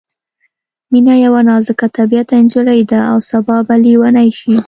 مينه یوه نازک طبعیته نجلۍ ده او سبا به ليونۍ شي